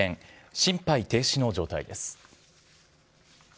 心肺停止の状態です。